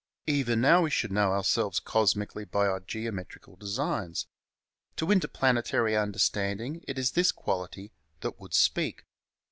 Even now we should know ourselves cosmically by our geometrical designs. To interplanetary under standing it is this quality that would speak.